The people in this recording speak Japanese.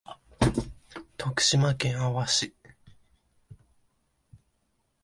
徳島県阿波市